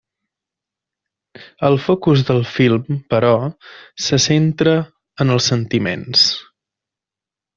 El focus del film, però, se centra en els sentiments.